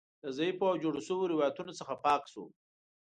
له ضعیفو او جوړو شویو روایتونو څخه پاک شو.